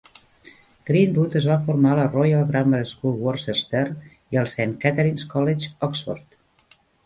Greenwood es va formar a la Royal Grammar School Worcester i al Saint Catherine's College, Oxford.